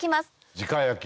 じか焼き。